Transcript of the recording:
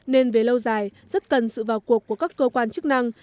nên về lâu dài rất cần sự vào cuộc của các cơ quan chức năng